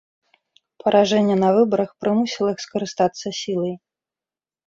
Паражэнне на выбарах прымусіла іх скарыстацца сілай.